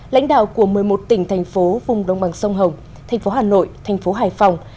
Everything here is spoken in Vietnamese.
lãnh đạo của một mươi một tỉnh thành phố vùng đồng bằng sông hồng thành phố hà nội thành phố hải phòng